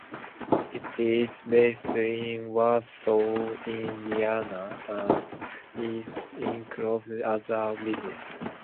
It is based in Warsaw, Indiana, and is incorporated as a business.